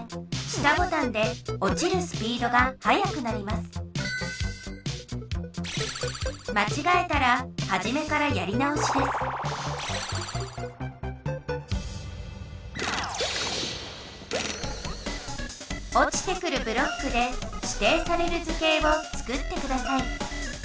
下ボタンでおちるスピードがはやくなりますまちがえたらはじめからやり直しですおちてくるブロックでしていされる図形をつくってください